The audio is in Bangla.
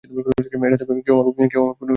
এইটা দেখো, কেউ আমার ফোনে এটা পাঠিয়েছে।